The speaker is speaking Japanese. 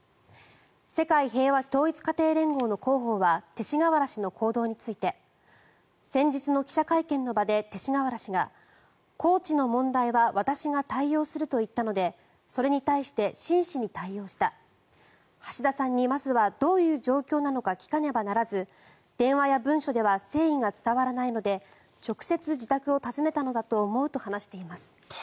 世界平和統一家庭連合の広報は勅使河原氏の行動について先日の記者会見の場で勅使河原氏が高知の問題は私が対応すると言ったのでそれに対して真摯に対応した橋田さんにまずはどういう状況なのか聞かねばならず電話や文書では誠意が伝わらないので直接自宅を訪ねたのだと思うとしています。